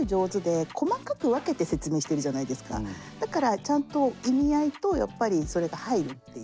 あとだからちゃんと意味合いとやっぱりそれが入るっていう。